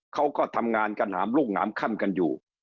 เขาก็ทำงานกันหามลูกหงามค่ำกันอยู่